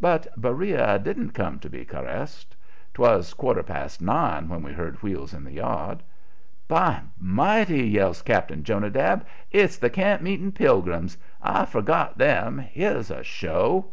But Beriah didn't come to be caressed. 'Twas quarter past nine when we heard wheels in the yard. "By mighty!" yells Cap'n Jonadab; "it's the camp meeting pilgrims. I forgot them. Here's a show."